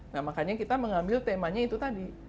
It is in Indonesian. nah makanya kita mengambil temanya itu tadi